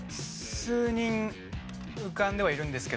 数人浮かんではいるんですけど。